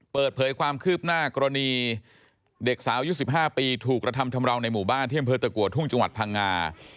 เปิดเผยความคืบหน้ากรณีเด็กสาวยุค๑๕ปีถูกกระทำชำราวในหมู่บ้านที่อำเภอตะกัวทุ่งจังหวัดพังงา